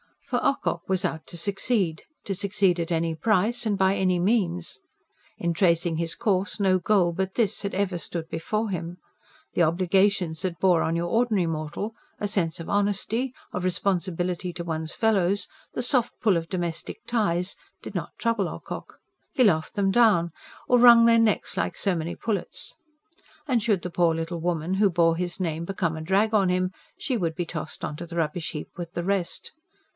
For Ocock was out to succeed to succeed at any price and by any means. In tracing his course, no goal but this had ever stood before him. The obligations that bore on your ordinary mortal a sense of honesty, of responsibility to one's fellows, the soft pull of domestic ties did not trouble Ocock. He laughed them down, or wrung their necks like so many pullets. And should the poor little woman who bore his name become a drag on him, she would be tossed on to the rubbish heap with the rest.